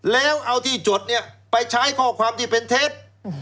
แล้วเอาที่จดเนี่ยไปใช้ข้อความที่เป็นเท็จ